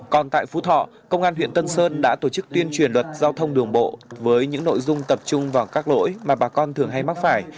còn tại phú thọ công an huyện tân sơn đã tổ chức tuyên truyền luật giao thông đường bộ với những nội dung tập trung vào các lỗi mà bà con thường hay mắc phải